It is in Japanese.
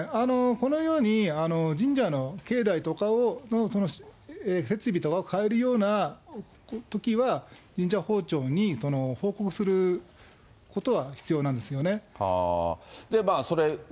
このように神社の境内とか、設備とかを変えるようなときは、神社本庁に報告することは必要なんですよね。